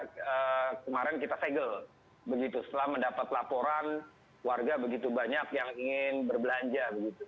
jadi kemarin kita segel setelah mendapat laporan warga begitu banyak yang ingin berbelanja